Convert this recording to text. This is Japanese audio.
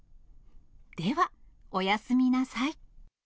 では、おやすみなさい。